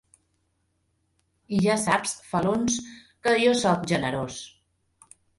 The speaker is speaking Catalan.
I ja saps, Felons, que jo sóc generós.